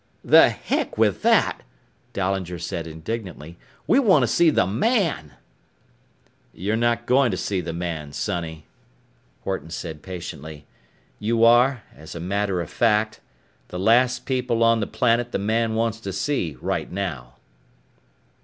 "The heck with that," Dahlinger said indignantly, "we want to see the man." "You're not goin' to see the man, sonny," Horton said patiently, "You are, as a matter of fact, the last people on the planet the man wants to see right now."